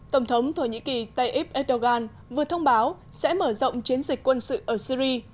tổng thống thổ nhĩ kỳ tayyip erdogan vừa thông báo sẽ mở rộng chiến dịch quân sự ở syri